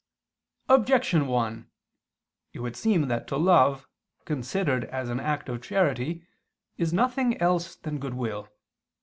Objection 1: It would seem that to love, considered as an act of charity, is nothing else than goodwill.